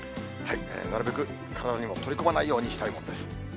なるべく体にも取り込まないようにしたいものです。